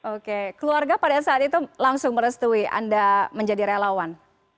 oke keluarga pada saat itu langsung merestui anda menjadi relawan